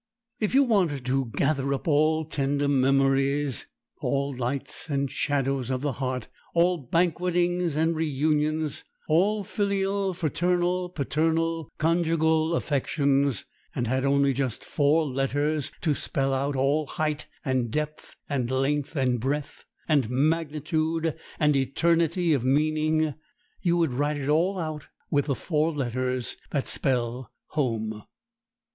If you wanted to gather up all tender memories, all lights and shadows of the heart, all banquetings and reunions, all filial, fraternal, paternal, conjugal affections, and had only just four letters to spell out all height and depth, and length and breadth, and magnitude and eternity of meaning, you would write it all out with the four letters that spell Home.